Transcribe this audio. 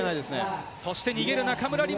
そして逃げる中村輪